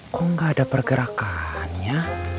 kok gak ada pergerakannya